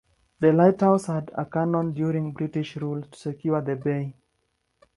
The lighthouse had a cannon during British rule to secure the bay.